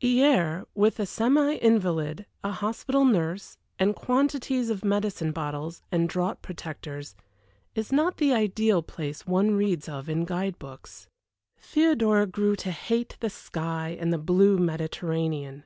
Hyères, with a semi invalid, a hospital nurse, and quantities of medicine bottles and draught protectors, is not the ideal place one reads of in guide books. Theodora grew to hate the sky and the blue Mediterranean.